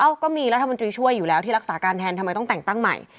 ก็มีรัฐมนตรีช่วยอยู่แล้วที่รักษาการแทนทำไมต้องแต่งตั้งใหม่